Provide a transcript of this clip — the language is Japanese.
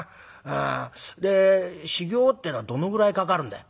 で修業ってのはどのぐらいかかるんだい？」。